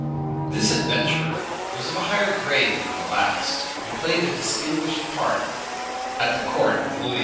This adventurer was of a higher grade than the last, and played a distinguished part at the court of Louis XV.